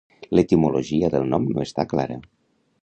L'etimologia del nom no està clara.